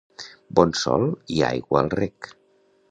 Bon sol i aigua al rec.